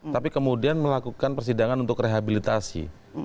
tapi kemudian melakukan persidangan untuk rehabilitasi